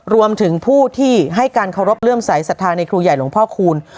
รวมถึงผู้ที่ให้การเคารพเลื่อมสายศรัทธาในครูใหญ่หลวงพ่อคูณ